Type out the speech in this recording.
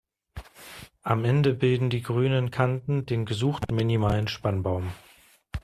Am Ende bilden die grünen Kanten den gesuchten minimalen Spannbaum.